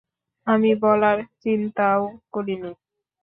আমি বলার চিন্তাও করিনি।